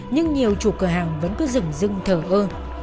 nhưng nhiều chủ cửa hàng vẫn cứ rừng rưng thở ơ